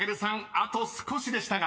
あと少しでしたが］